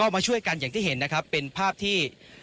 มาช่วยกันเป็นภาพที่